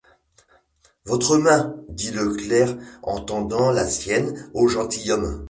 Votre main ? dit le clerc en tendant la sienne au gentilhomme.